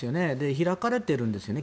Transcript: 開かれているんですよね